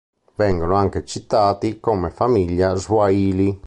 Vengono anche citati come famiglia swahili.